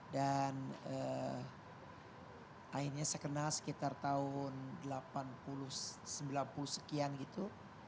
dan akhirnya saya kenal sekitar tahun delapan puluh sembilan puluh sekian gitu